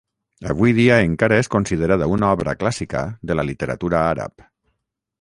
Avui dia encara és considerada una obra clàssica de la literatura àrab.